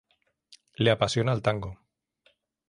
Le apasiona el tango.